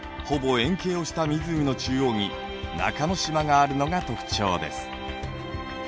ほぼ円形をした湖の中央に中島があるのが特徴です。